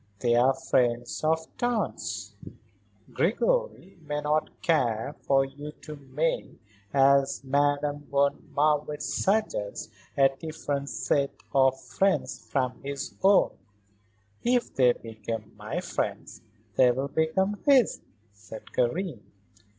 They are friends of Tante's." "Gregory may not care for you to make as Madame von Marwitz suggests a different set of friends from his own." "If they become my friends they will become his," said Karen.